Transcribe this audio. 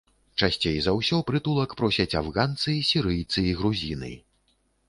Часцей за ўсё прытулак просяць афганцы, сірыйцы і грузіны.